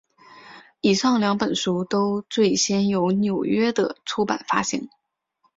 以上两本书都最先由纽约的出版发行。